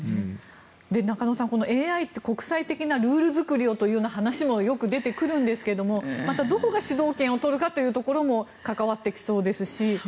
中野さん、ＡＩって国際的なルール作りをという話もよく出てくるんですがまたどこが主導権を取るかというところも関わってきそうですし。